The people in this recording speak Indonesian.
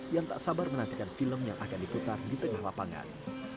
yang tak sabar menantikan film yang akan diputar di tengah lapangan